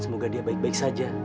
semoga dia baik baik saja